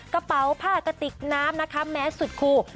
กระเป๋าผ้ากระติกน้ำนะคะแม้สุดคู่